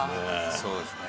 そうですね。